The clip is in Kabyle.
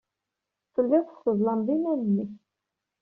Tellid tesseḍlamed iman-nnek.